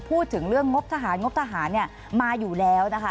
พูดถึงเรื่องงบทหารงบทหารมาอยู่แล้วนะคะ